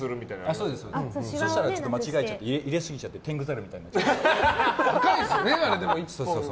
そうしたら間違えちゃって入れ過ぎちゃってテングザルみたいになっちゃって。